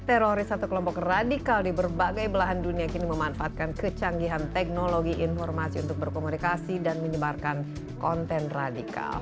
teroris atau kelompok radikal di berbagai belahan dunia kini memanfaatkan kecanggihan teknologi informasi untuk berkomunikasi dan menyebarkan konten radikal